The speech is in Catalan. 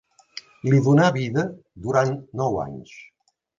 Li donà vida durant nou anys.